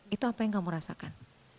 itu apa yang kamu rasakan